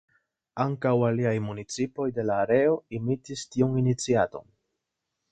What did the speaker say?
Ankaŭ aliaj municipoj de la areo imitis tiun iniciaton.